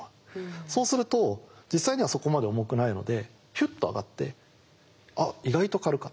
そうすると実際にはそこまで重くないのでヒュッと上がって「あっ意外と軽かった」。